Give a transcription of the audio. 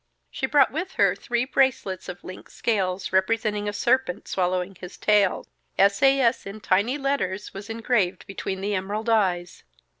She brought with her three bracelets of linked scales representing a serpent swallowing his tail. S. A. S. in tiny letters was engraved between the emerald eyes.